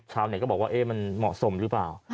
ก็บอกว่ามันเหมาะสมหรือเปล่า